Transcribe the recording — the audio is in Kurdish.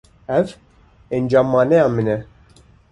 Ev encamnameya min e.